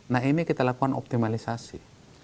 nah ini kita lakukan optimalisasi